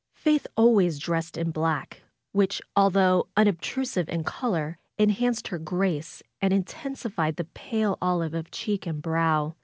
Faith always dressed in black, which, although unobtrusive in color, enhanced her grace and intensifled the pale olive of cheek and brow.